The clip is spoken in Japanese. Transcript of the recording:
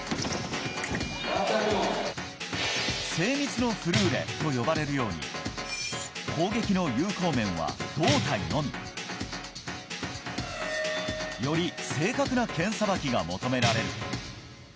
精密のフルーレと呼ばれるように、攻撃の有効面は胴体のみ。より正確な剣さばきが求められる。